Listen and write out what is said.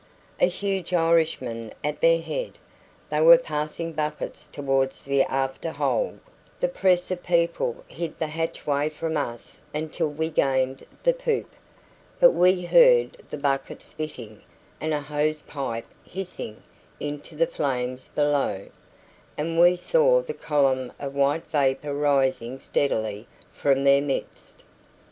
A huge Irishman at their head, they were passing buckets towards the after hold; the press of people hid the hatchway from us until we gained the poop; but we heard the buckets spitting and a hose pipe hissing into the flames below; and we saw the column of white vapor rising steadily from their midst.